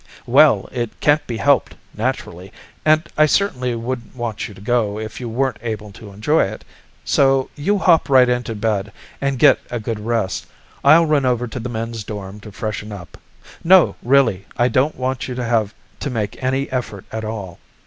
"Well, it can't be helped naturally, and I certainly wouldn't want you to go if you weren't able to enjoy it. So you hop right into bed and get a good rest. I'll run over to the men's dorm to freshen up. No, really, I don't want you to have to make any effort at all.